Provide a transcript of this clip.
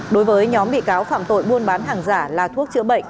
đối với nhóm bị cáo phạm tội buôn bán hàng giả là thuốc chữa bệnh